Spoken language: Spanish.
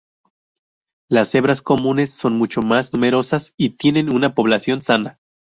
Las cebras comunes son mucho más numerosas y tienen una población sana.